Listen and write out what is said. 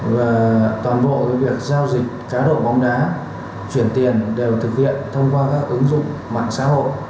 và toàn bộ việc giao dịch cá độ bóng đá chuyển tiền đều thực hiện thông qua các ứng dụng mạng xã hội